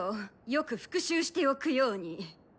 よく復習しておくように。